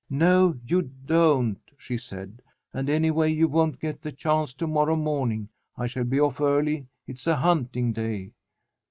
"No, you don't," she said, "and anyway you won't get the chance to morrow morning. I shall be off early. It's a hunting day."